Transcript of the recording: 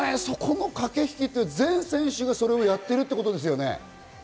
そこの駆け引き、全選手がそれをやってるってことですよね。